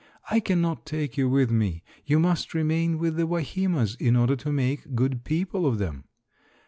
I cannot take you with me. You must remain with the Wahimas in order to make good people of them."